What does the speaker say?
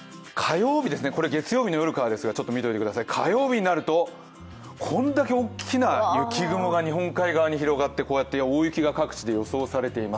月曜日の夜からですが見ておいてください、火曜日になるとこんだけ大きな雪雲が日本海側に広がってこうやって大雪が各地で予想されています。